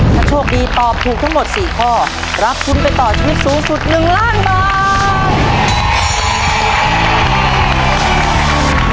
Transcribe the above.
ถ้าโชคดีตอบถูกทั้งหมด๔ข้อรับทุนไปต่อชีวิตสูงสุด๑ล้านบาท